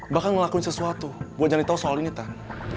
bahkan ngelakuin sesuatu buat jangan ditahu soal ini tante